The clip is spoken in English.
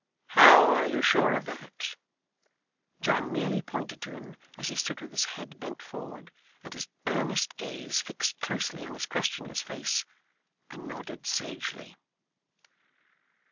'How are you sure of that?' John merely pointed to him as he stood with his head bent forward, and his earnest gaze fixed closely on his questioner's face; and nodded sagely.